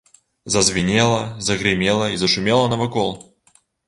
Зазвінела, загрымела і зашумела навакол.